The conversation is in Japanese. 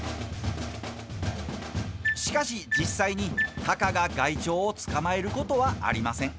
しかし、実際にたかが害鳥を捕まえることはありません。